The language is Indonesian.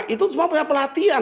itu semua punya pelatihan